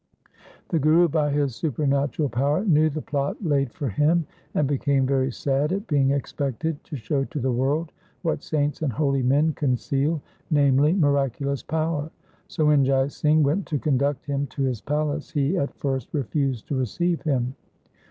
The Guru by his supernatural power knew the plot laid for him, and became very sad at being expected to show to the world what saints and holy men conceal, namely, miraculous power ; so when Jai Singh went to conduct him to his palace, he at 1 Majh ki War. LIFE OF GURU HAR KRISHAN 325 first refused to receive him.